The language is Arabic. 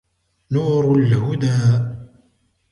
نور الهدى